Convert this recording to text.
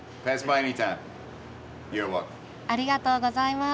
ありがとうございます。